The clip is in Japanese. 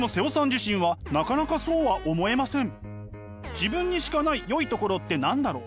「自分にしかないよいところって何だろう？」。